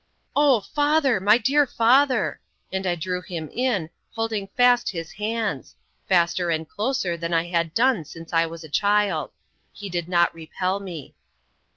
"O father! my dear father!" and I drew him in, holding fast his hands faster and closer than I had done since I was a child. He did not repel me.